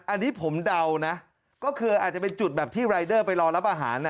อันนี้ผมเดานะก็คืออาจจะเป็นจุดแบบที่รายเดอร์ไปรอรับอาหาร